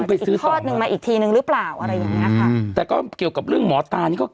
อีกข้อมันมาอีกทีนึงหรือเปล่าอะไรอย่างนี้ค่ะแต่ก็เกี่ยวกับเรื่องหมอตานี่ก็